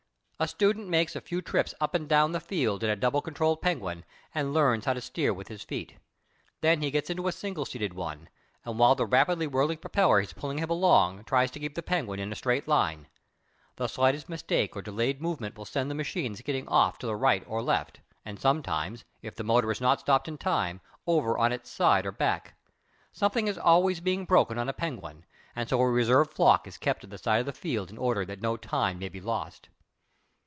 A student makes a few trips up and down the field in a double control Penguin, and learns how to steer with his feet. Then he gets into a single seated one and, while the rapidly whirling propeller is pulling him along, tries to keep the Penguin in a straight line. The slightest mistake or delayed movement will send the machine skidding off to the right or left, and sometimes, if the motor is not stopped in time, over on its side or back. Something is always being broken on a Penguin, and so a reserve flock is kept at the side of the field in order that no time may be lost.